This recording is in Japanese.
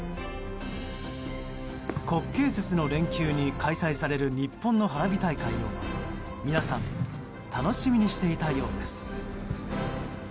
国慶節の連休に開催される日本の花火大会を皆さん楽しみにしていたようです。